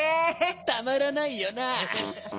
たまらないよな。